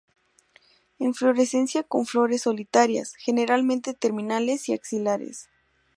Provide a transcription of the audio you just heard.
Inflorescencia con flores solitarias, generalmente terminales y axilares.